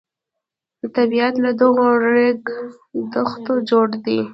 طبیعت له دغو ریګ دښتو جوړ دی.